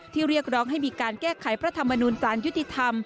เรียกร้องให้มีการแก้ไขพระธรรมนูลสารยุติธรรม